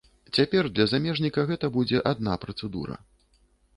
Цяпер для замежніка гэта будзе адна працэдура.